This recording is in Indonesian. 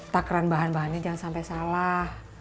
takran bahan bahannya jangan sampai salah